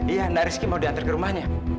iya nariski mau diantar ke rumahnya